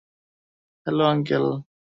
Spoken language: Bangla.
Hello, uncle.